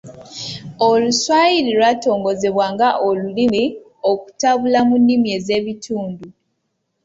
Oluswayiri lwatongozebwa nga olulimi okutabula mu nnimi z’ebitundu.